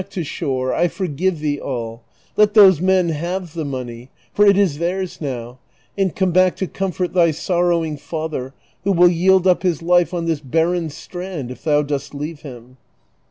355 to shore ; I forgive thee all ; let those men have the money, for it is theirs now, and come back to comfort thy sorrowing father, Avho will yield up his life on this barren strand it'thon dost leave him."